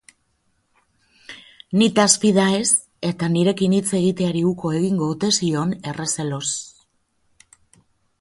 Nitaz fida ez eta nirekin hitz egiteari uko egingo ote zion errezeloz.